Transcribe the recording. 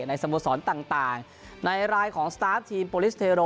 ในสะพะสอนต่างต่างในรายของทีมพอลิสเทโร